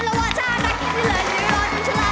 นักแหท่ที่แหล่งดินอยู่หนึ่อทางชาลา